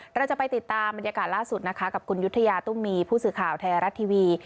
เราจะไปติดตามบรรยากาศล่าสุดนะคะกับคุณยุธยาตุ้มมีผู้สื่อข่าวไทยรัฐทีวี